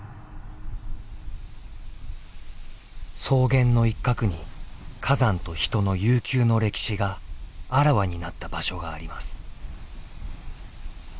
草原の一角に火山と人の悠久の歴史があらわになった場所があります。